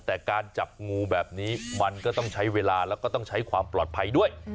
แต่การจับงูแบบนี้มันก็ต้องใช้เวลาแล้วก็ต้องใช้ความปลอดภัยด้วย